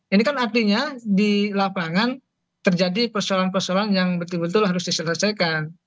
ini kan artinya di lapangan terjadi persoalan persoalan yang betul betul harus diselesaikan